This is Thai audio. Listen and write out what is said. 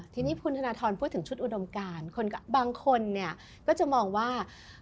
ทีนี้คุณธนทรพูดถึงชุดอุดมการบางคนเนี่ยก็จะมองว่า